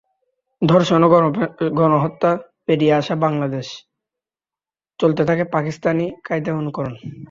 ধর্ষণ ও গণহত্যা পেরিয়ে আসা বাংলাদেশে চলতে থাকে পাকিস্তানি কায়দার অনুকরণ।